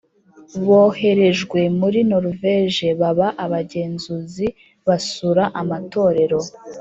Boherejwe muri noruveje baba abagenzuzi basura amatorero